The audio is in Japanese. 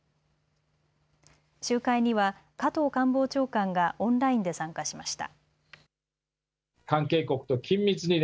集会には加藤官房長官がオンラインで参加しました。